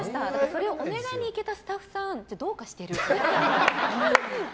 それをお願いに行けたスタッフさんどうかしてる。